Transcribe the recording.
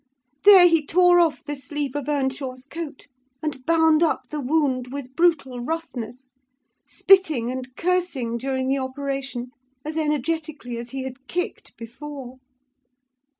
There he tore off the sleeve of Earnshaw's coat, and bound up the wound with brutal roughness; spitting and cursing during the operation as energetically as he had kicked before.